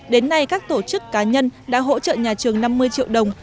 đến nay các tổ chức cá nhân đã hỗ trợ nhà trường năm mươi triệu đồng